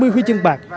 hai mươi huy chương bạc